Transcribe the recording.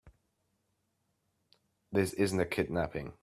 This isn't a kidnapping.